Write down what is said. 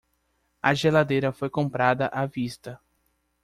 A geladeira foi comprada à vista.